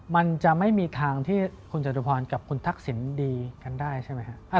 มันจะไม่มีทางที่คุณจตุพรกับคุณทักษิณดีกันได้ใช่ไหมครับ